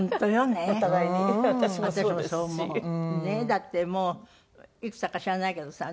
だってもういくつだか知らないけどさ。